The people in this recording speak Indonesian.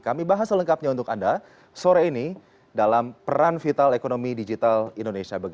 kami bahas selengkapnya untuk anda sore ini dalam peran vital ekonomi digital indonesia